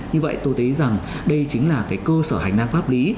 như vậy tôi thấy rằng đây chính là cái cơ sở hành năng pháp lý